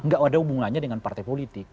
gak ada hubungannya dengan partai politik